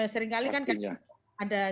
seringkali kan ada